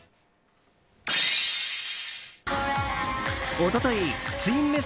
一昨日、ツインメッセ